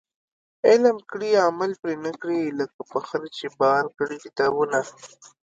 علم کړي عمل پري نه کړي ، لکه په خره چي بار کړي کتابونه